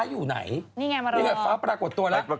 คุณฟ้าอ้างตัวว่า